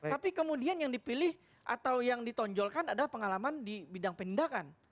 tapi kemudian yang dipilih atau yang ditonjolkan adalah pengalaman di bidang penindakan